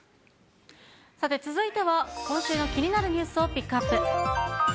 さて、続いては今週の気になるニュースをピックアップ。